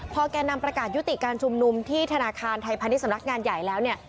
พอแกนำประกาศยุติกันชุมนุมที่ธนาคารไทยพันธ์ที่สำนักงานใหญ่แล้ว